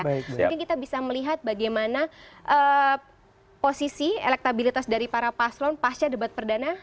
mungkin kita bisa melihat bagaimana posisi elektabilitas dari para paslon pasca debat perdana